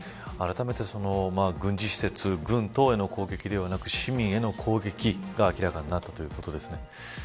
あらためて、軍事施設軍等への攻撃ではなく市民への攻撃が明らかになったということです。